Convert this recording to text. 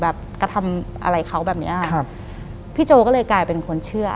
หลังจากนั้นเราไม่ได้คุยกันนะคะเดินเข้าบ้านอืม